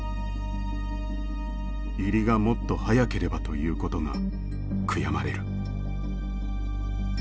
「入りが、もっと早ければということが悔やまれる」